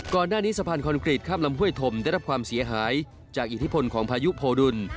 สะพานคอนกรีตข้ามลำห้วยธมได้รับความเสียหายจากอิทธิพลของพายุโพดุล